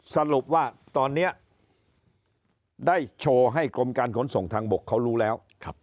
สรุปว่าตอนนี้ได้โชว์ให้กรมการขนส่งทางบกเขารู้แล้ว